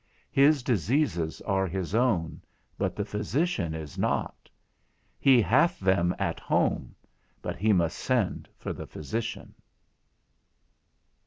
His diseases are his own, but the physician is not; he hath them at home, but he must send for the physician.